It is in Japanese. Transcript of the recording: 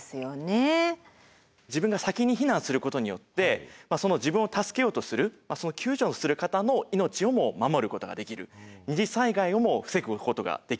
自分が先に避難することによって自分を助けようとする救助をする方の命をも守ることができる二次災害をも防ぐことができるわけなんですね。